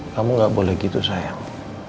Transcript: kamu gak boleh gitu sayang